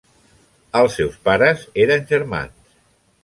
Els seus pares eren germans.